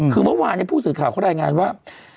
คือเมื่อวานผู้สื่อข่าวเขารายงานว่า